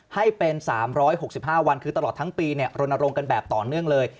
ให้เป็น๓๖๕วันคือตลอดทั้งปีรณรงค์กันแบบต่อเนื่องเลย